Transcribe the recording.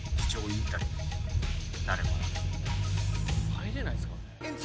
「入れないですから」